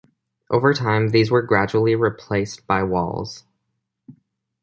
Over time, these were gradually replaced by walls.